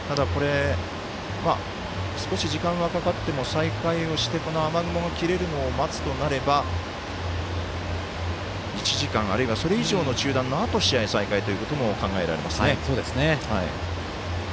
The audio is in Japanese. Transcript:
少し時間はかかっても再開して雨雲が切れるのを待つとなれば１時間、あるいはそれ以上の試合中断のあとの試合再開ということも考えられますね。